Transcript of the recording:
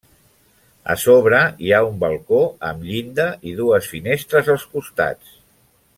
A sobre hi ha un balcó amb llinda i dues finestres als costats.